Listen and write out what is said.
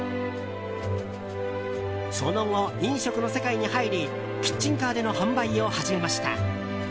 その後、飲食の世界に入りキッチンカーでの販売を始めました。